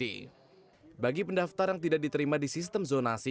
bagi pendaftar yang tidak diterima di sistem zonasi